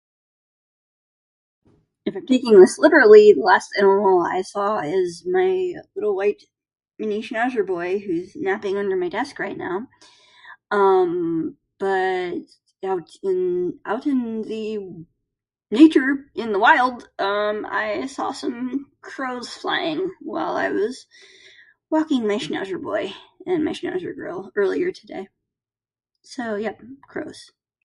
If we're taking this literally, the last animal i saw is my little white Mini Schnauzer boy who's napping under my desk right now. Um, but out in... out in the... nature, in the wild, I saw some crows flying while I was walking my Schnauzer boy and my Schnauzer girl earlier today. So yeah, crows.